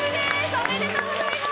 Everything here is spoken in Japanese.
おめでとうございます。